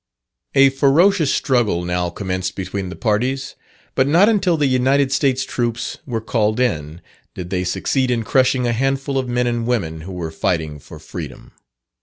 A ferocious struggle now commenced between the parties; but not until the United States troops were called in, did they succeed in crushing a handful of men and women who were fighting for freedom.